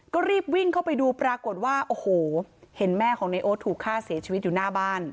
ก็รีบวิ่งเข้าไปดูปรากฏว่าโอ้โหเห็นแม่ของในโอ๊ตถูกฆ่าเสียชีวิตอยู่หน้าบ้าน